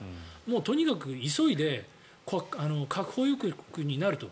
とにかく急いで核保有国になると。